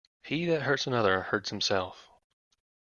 He that hurts another, hurts himself.